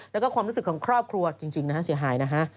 แล้วก็ความรู้สึกของครอบครัวจริงนะฮะเสียหายนะฮะ